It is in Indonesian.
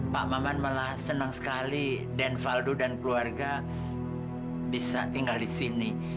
pak maman malah senang sekali den faldo dan keluarga bisa tinggal di sini